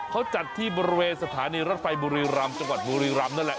เขาจัดที่บริเวณสถานีรถไฟบุรีรำจังหวัดบุรีรำนั่นแหละ